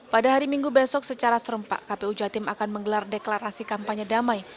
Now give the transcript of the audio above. pada hari minggu besok secara serempak kpu jatim akan menggelar deklarasi kampanye damai